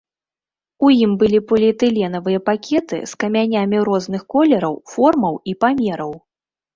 У ім былі поліэтыленавыя пакеты з камянямі розных колераў, формаў і памераў.